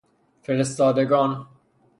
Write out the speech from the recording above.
فرستادگان